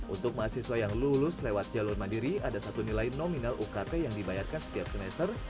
untuk mahasiswa yang lulus lewat jalur mandiri ada satu nilai nominal ukt yang dibayarkan setiap semester